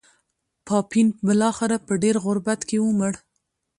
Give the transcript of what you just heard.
پاپین بلاخره په ډېر غربت کې ومړ.